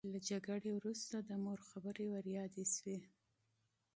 له جګړې وروسته ورته د مور خبرې وریادې شوې